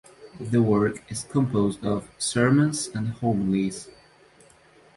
The work is composed of sermons and homilies.